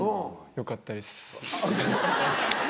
よかったです。